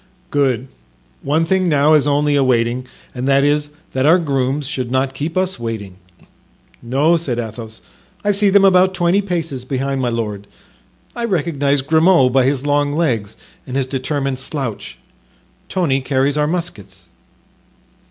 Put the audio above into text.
"Good! one thing now is only awanting and that is, that our grooms should not keep us waiting." "No," said Athos. "I see them about twenty paces behind my lord. I recognize Grimaud by his long legs and his determined slouch. Tony carries our muskets."